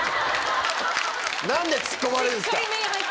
何でツッコまれるんですか？